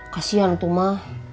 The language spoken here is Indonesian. kasian tuh mah